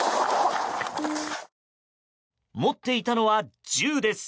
持っていたのは銃です。